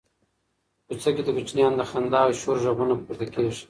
په کوڅه کې د کوچنیانو د خندا او شور غږونه پورته کېږي.